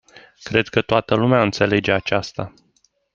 Cred că toată lumea înțelege aceasta.